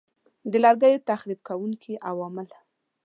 د لرګیو تخریب کوونکي عوامل